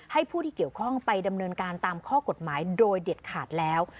ผู้ที่เกี่ยวข้องไปดำเนินการตามข้อกฎหมายโดยเด็ดขาดแล้ว